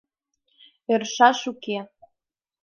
— Ӧршаш уке.